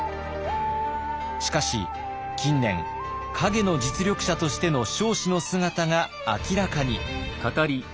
しかし近年陰の実力者としての彰子の姿が明らかに。